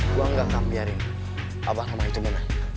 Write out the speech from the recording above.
gua gak akan biarin abang lama itu menang